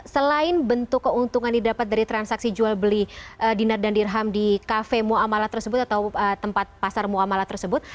selain bentuk keuntungan didapat dari transaksi jual beli dinar dan dirham di kafe ⁇ muamalah tersebut atau tempat pasar muamalah tersebut